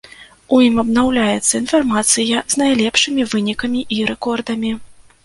У ім абнаўляецца інфармацыя з найлепшымі вынікамі і рэкордамі.